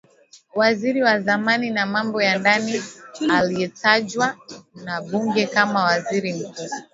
waziri wa zamani wa mambo ya ndani aliyetajwa na bunge kama waziri mkuu